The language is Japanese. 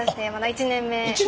１年目。